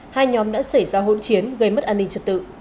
hai nhóm đã xảy ra hỗn chiến gây mất an ninh trật tự